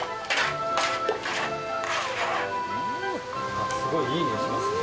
あっすごいいいにおいしますね。